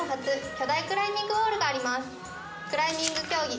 クライミング競技